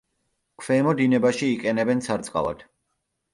ქვემო დინებაში იყენებენ სარწყავად.